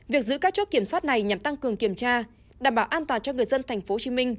việc giữ các chốt kiểm soát này nhằm tăng cường kiểm tra đảm bảo an toàn cho người dân tp hcm